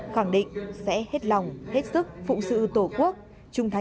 khẳng định sẽ hết lòng hết sức phụng sự tổ quốc